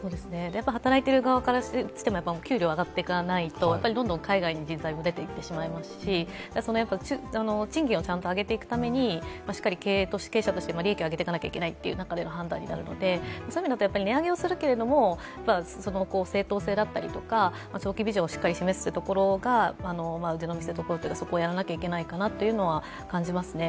働いている側からしても給料が上がっていかないと、どんどん海外に人材も出ていってしまいますし、賃金をちゃんと上げていくためにしっかりと経営者として利益を上げていかなきゃいけないという中での判断になるので、そういう意味で値上げはするけれども正当性だったり、長期ビジョンをしっかり示すところが腕の見せどころ、そこをやらなきゃいけないかなというのは感じますね。